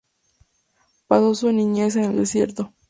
Pasó su niñez en el desierto.